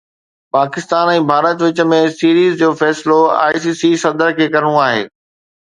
پاڪستان ۽ ڀارت وچ ۾ سيريز جو فيصلو آءِ سي سي صدر کي ڪرڻو آهي